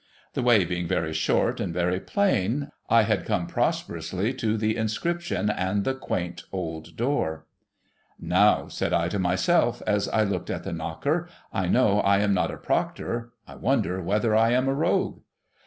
The way being very short and very plain, I had come prosperously to the inscription and the quaint old door. 64 THE SEVEN POOR TRAVELLERS ' Now,' said I to myself, as I looked at the knocker, ' 1 know I am not a Proctor ; I wonder whether I am a Rogue